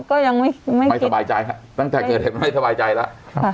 ก็ยังไม่ไม่สบายใจฮะตั้งแต่เกิดเหตุไม่สบายใจแล้ว